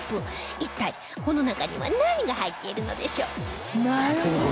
一体この中には何が入っているのでしょう？